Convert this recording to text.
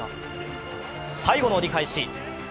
最後の折り返し！